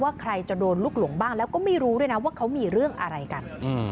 ใครจะโดนลูกหลงบ้างแล้วก็ไม่รู้ด้วยนะว่าเขามีเรื่องอะไรกัน